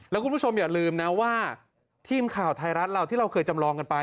แล้วคุณผู้ชมอย่าลืมนะว่าทีมข่าวไทยรัฐเราที่เราเคยจำลองกันไป